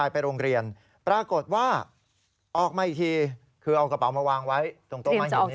ปรากฏว่าออกมาอีกทีคือเอากระเป๋ามาวางไว้ตรงโต๊ะมาอยู่นี้